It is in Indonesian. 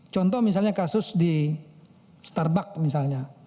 contoh misalnya kasus di starbuck misalnya